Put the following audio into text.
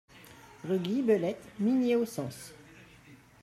Rue Guille Belette, Migné-Auxances